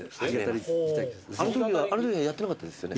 あのときはやってなかったですよね？